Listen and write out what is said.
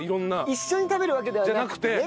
一緒に食べるわけではないのね。